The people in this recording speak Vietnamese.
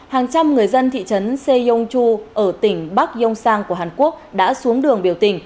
hàng trăm người dân thị trấn seyongju ở tỉnh bắc yongsang của hàn quốc đã xuống đường biểu tình